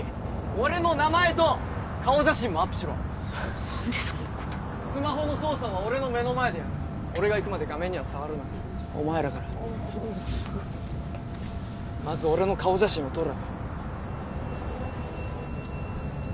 俺の名前と顔写真もアップしろ何でそんなことスマホの操作は俺の目の前でやれ俺が行くまで画面には触るなお前らからまず俺の顔写真を撮れ＃